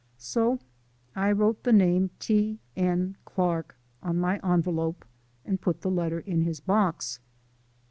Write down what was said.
So I wrote the name T. N. Clark on my envelope and put the letter in his box.